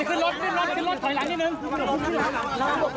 แต่ตอนแรกพี่มานี่คือสมังใจก็ดี